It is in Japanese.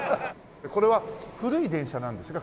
これは古い電車なんですか？